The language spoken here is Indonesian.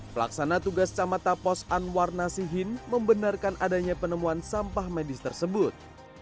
pelaksana tugas camata pos anwar nasihin membenarkan adanya penemuan sampah medis tersebut